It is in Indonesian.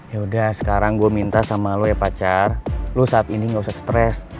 ya udah sekarang gue minta sama lo ya pacar lo saat ini gak usah stres